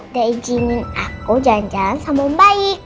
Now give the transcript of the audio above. udah izinin aku jalan jalan sama bayi